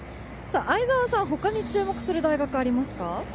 相澤さん、他に注目する大学ありますか？